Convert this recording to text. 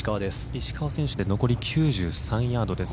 石川選手で残り９３ヤードです。